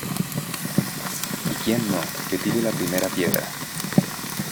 y quien no, que tire la primera piedra.